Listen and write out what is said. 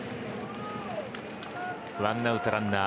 １アウトランナー